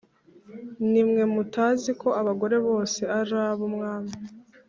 nimwe mutazi ko abagore bose arabumwami?